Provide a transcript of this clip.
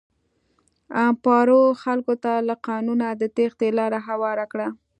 امپارو خلکو ته له قانونه د تېښتې لاره هواره کړه.